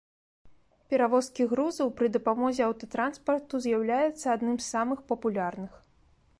Перавозкі грузаў пры дапамозе аўтатранспарту з'яўляецца адным з самых папулярных.